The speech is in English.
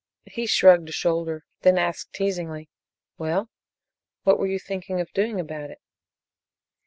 He shrugged a shoulder, then asked teasingly: "Well what were you thinking of doing about it?"